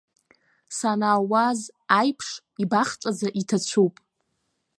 Санаауаз аиԥш ибахҵәаӡа иҭацәуп.